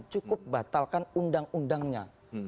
cukup batalkan undang undangnya